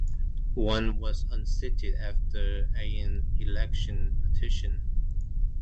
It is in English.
One was unseated after an election petition.